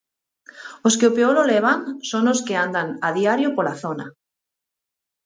Os que peor o levan son os que andan a diario pola zona.